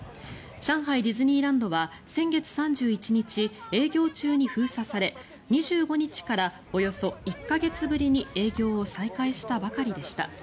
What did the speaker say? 上海ディズニーランドは先月３１日、営業中に封鎖され２５日からおよそ１か月ぶりに営業を再開したばかりでした。